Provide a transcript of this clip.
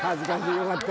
よかった。